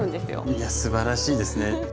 いやすばらしいですね。